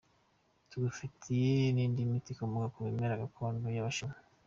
Tugufitiye n’indi miti ikomoka Ku bimera gakondo by’abashinwa.